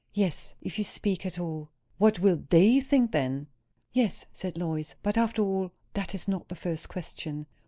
"Yes. If you speak at all." "What will they think then?" "Yes," said Lois. "But, after all, that is not the first question."